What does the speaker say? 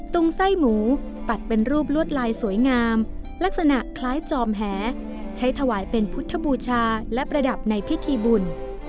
งไส้หมูตัดเป็นรูปลวดลายสวยงามลักษณะคล้ายจอมแหใช้ถวายเป็นพุทธบูชาและประดับในพิธีบุญ